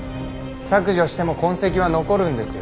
削除しても痕跡は残るんですよ。